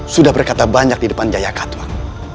sudah berkata banyak di depan jaya katuang